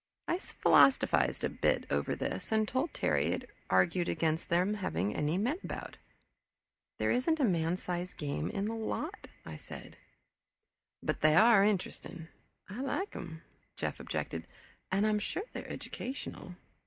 I philosophized a bit over this and told Terry it argued against their having any men about. "There isn't a man size game in the lot," I said. "But they are interesting I like them," Jeff objected, "and I'm sure they are educational."